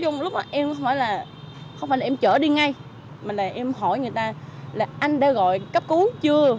chung lúc đó em không phải là em chở đi ngay mà là em hỏi người ta là anh đã gọi cấp cứu chưa